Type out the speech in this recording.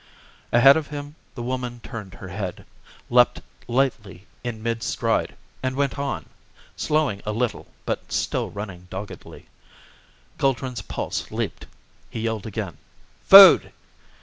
Ahead of him the woman turned her head, leaped lightly in mid stride, and went on; slowing a little but still running doggedly. Guldran's pulse leaped. He yelled again, "Food!"